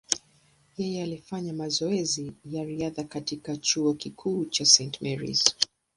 Yeye alifanya mazoezi ya riadha katika chuo kikuu cha St. Mary’s.